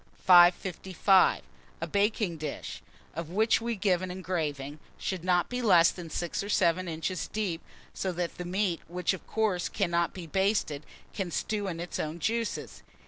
555. A BAKING DISH, of which we give an engraving, should not be less than 6 or 7 inches deep; so that the meat, which of course cannot be basted, can stew in its own juices.